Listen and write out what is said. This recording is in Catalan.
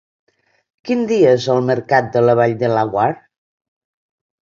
Quin dia és el mercat de la Vall de Laguar?